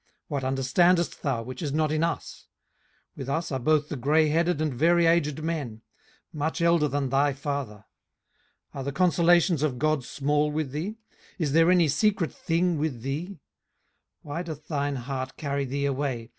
what understandest thou, which is not in us? 18:015:010 With us are both the grayheaded and very aged men, much elder than thy father. 18:015:011 Are the consolations of God small with thee? is there any secret thing with thee? 18:015:012 Why doth thine heart carry thee away?